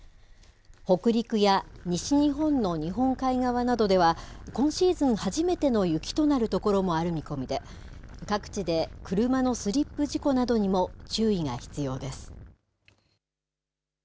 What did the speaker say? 北陸や西日本の日本海側などでは、今シーズン初めての雪となる所もある見込みで、各地で車のスリップ事故などにも注意が必要です。